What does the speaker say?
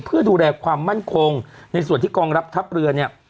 เพื่อดูแลความมั่นคงในส่วนที่กองรับทัพเรือเนี่ย